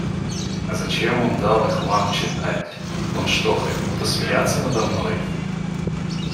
А зачем он дал их Вам читать, он что, хотел посмеяться надо мной?